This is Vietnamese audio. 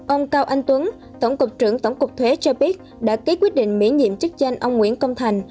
ông cao anh tuấn tổng cục trưởng tổng cục thuế cho biết đã ký quyết định miễn nhiệm chức danh ông nguyễn công thành